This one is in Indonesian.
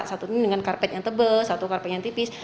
satu dengan karpet yang tebal satu karpet yang tipis